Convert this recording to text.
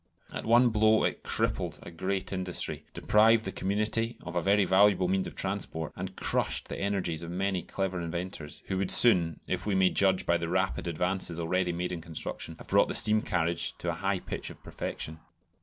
At one blow it crippled a great industry, deprived the community of a very valuable means of transport, and crushed the energies of many clever inventors who would soon, if we may judge by the rapid advances already made in construction, have brought the steam carriage to a high pitch of perfection.